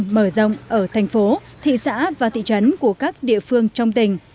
mở rộng ở thành phố thị xã và thị trấn của các địa phương trong tỉnh